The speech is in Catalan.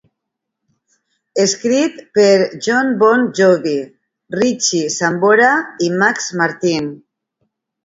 Escrit per Jon Bon Jovi, Richie Sambora i Max Martin.